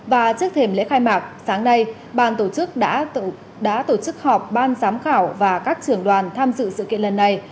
và trước thềm lễ khai mạc sáng nay ban tổ chức đã tổ chức họp ban giám khảo và các trưởng đoàn tham dự sự kiện lần này